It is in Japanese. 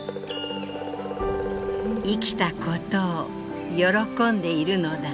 「生きたことを喜んでいるのだ」。